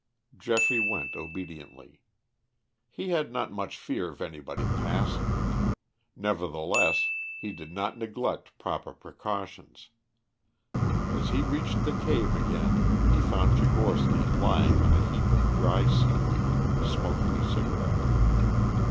Geoffrey went obediently. He had not much fear of anybody passing. Nevertheless he did not neglect proper precautions. As he reached the cave again he found Tchigorsky lying on a heap of dry seaweed smoking a cigarette.